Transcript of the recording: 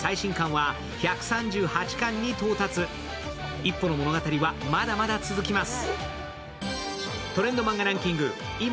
一歩の物語は、まだまだ続きます